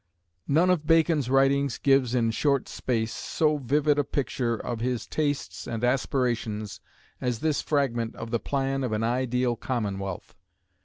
None of Bacon's writings gives in short apace so vivid a picture of his tastes and aspirations as this fragment of the plan of an ideal commonwealth.